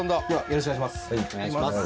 よろしくお願いします。